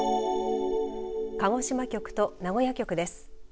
鹿児島局と名古屋局です。